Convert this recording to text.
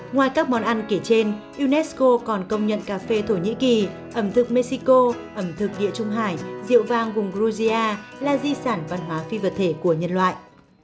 ngoài các món ăn kể trên unesco còn công nhận cà phê thổ nhĩ kỳ ẩm thực mexico ẩm thực địa trung hải rượu vang vùng georgia là di sản văn hóa phi vật thể của nhân loại